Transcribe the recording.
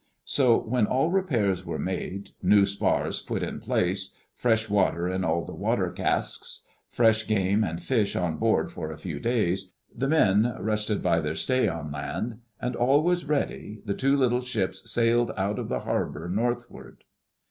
So when all repairs were made, new spars put in place, fresh water in all the water casks, fresh game and fish on board for a few days, the men rested by their stay on land, and all was ready, the two little ships sailed out of the harbor northward.